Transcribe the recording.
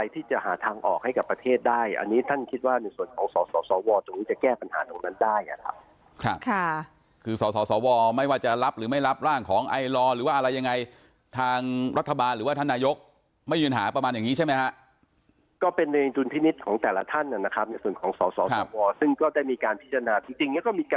ที่จะหาทางออกให้กับประเทศได้อันนี้ท่านคิดว่าในส่วนของสสวตรงนี้จะแก้ปัญหาตรงนั้นได้นะครับค่ะคือสสวไม่ว่าจะรับหรือไม่รับร่างของไอลอร์หรือว่าอะไรยังไงทางรัฐบาลหรือว่าท่านนายกไม่ยืนหาประมาณอย่างนี้ใช่ไหมฮะก็เป็นในดุลพินิษฐ์ของแต่ละท่านนะครับในส่วนของสสวซึ่งก็ได้มีการพิจารณาจริง